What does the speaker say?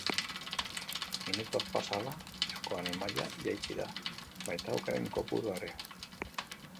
Minutuak pasa ahala, jokoaren maila jaitsi da, baita aukeren kopurua ere.